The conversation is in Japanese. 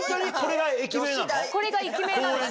これが駅名なんです。